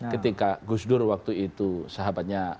ketika gus dur waktu itu sahabatnya